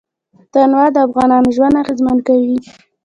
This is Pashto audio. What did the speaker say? تنوع د افغانانو ژوند اغېزمن کوي.